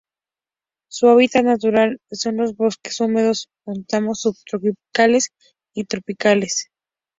Su hábitat natural son los bosques húmedos montanos subtropicales y tropicales.